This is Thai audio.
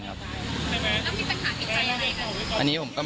ใช่ครับใช่ครับห้องเดียวอันครับ